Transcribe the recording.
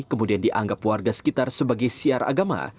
kemudian dianggap warga sekitar sebagai siar agama